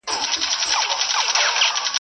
ژر مي باسه له دې ملکه له دې ځایه.